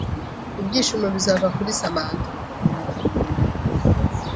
ibyishimo bizava kuri Samantha